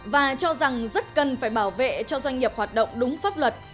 và cho rằng rất cần phải bảo vệ cho doanh nghiệp hoạt động đúng pháp luật